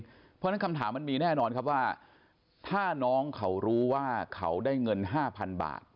เพราะฉะนั้นคำถามมันมีแน่นอนครับว่าถ้าน้องเขารู้ว่าเขาได้เงิน๕๐๐๐บาท